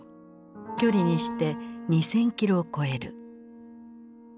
距離にして２，０００キロを超える。